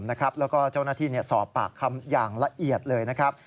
แล้วก็เจ้าหน้าที่สอบปากคำอย่างละเอียดเลยนะครับ